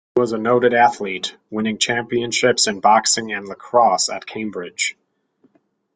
He was a noted athlete, winning championships in boxing and lacrosse at Cambridge.